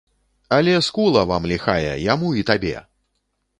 Але скула вам ліхая, яму і табе!